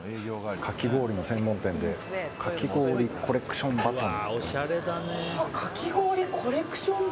かき氷の専門店でかき氷コレクション・バトン。